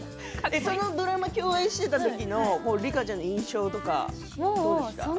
そのドラマ共演していた時の梨花ちゃんの印象はどうですか。